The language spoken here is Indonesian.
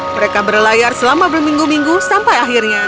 mereka berlayar selama berminggu minggu sampai akhirnya